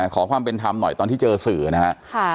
ขอความเป็นธรรมหน่อยตอนที่เจอสื่อนะฮะ